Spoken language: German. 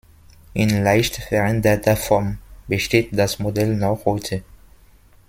In leicht veränderter Form besteht das Modell noch heute.